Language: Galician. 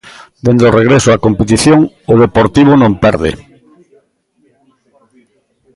Dende o regreso á competición o Deportivo non perde.